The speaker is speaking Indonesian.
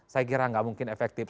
saya kira nggak mungkin efektif